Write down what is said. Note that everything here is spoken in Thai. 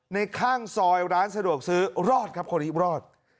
ข้างซอยร้านสะดวกซื้อรอดครับคนนี้รอด